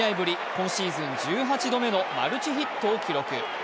今シーズン１８度目のマルチヒットを記録。